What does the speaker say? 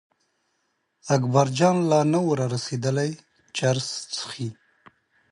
اکبرجان لا نه و را رسېدلی چرس څښي.